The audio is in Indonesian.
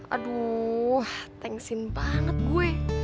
aduh thanksin banget gue